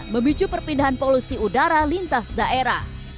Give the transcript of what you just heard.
memicu perpindahan polusi udara lintas daerah